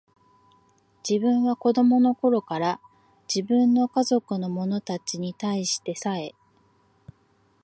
自分は子供の頃から、自分の家族の者たちに対してさえ、